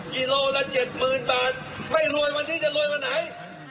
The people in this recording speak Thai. กิโลละ๗๐๐๐บาทไม่รวยวันนี้จะรวยวันไหน